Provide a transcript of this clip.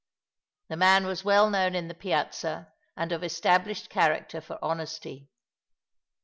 The man was well known in the Piazza, and of established character for honesty.